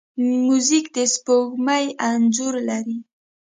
موزیک د سپوږمۍ انځور لري.